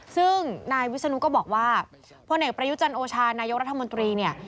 ซึ่งนายวิศนุก็บอกว่าพลเอกประยุจันโอชานายกรัฐมนตรีเนี่ย